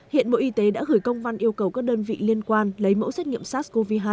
hiện bộ y tế đã gửi công văn yêu cầu các đơn vị liên quan lấy mẫu xét nghiệm sars cov hai